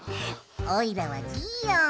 おいらはギーオン！